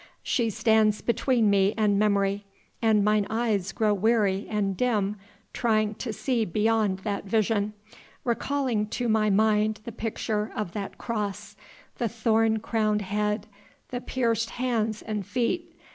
She stands between me and memory, and mine eyes grow weary and dim trying to see beyond that vision, recalling to my mind the picture of that Cross, the thorn crowned head, the pierced hands and feet.